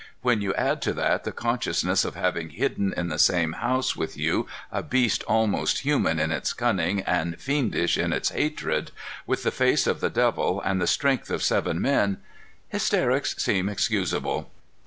When you add to that the consciousness of having hidden in the same house with you a beast almost human in its cunning and fiendish in its hatred, with the face of the devil and the strength of seven men, hysterics seem excusable.